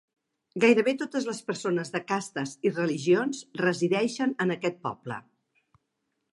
Gairebé totes les persones de castes i religions resideixen en aquest poble.